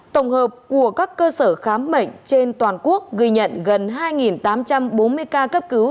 tổng hợp của các cơ sở khám bệnh trên toàn quốc ghi nhận gần hai tám trăm bốn mươi ca cấp cứu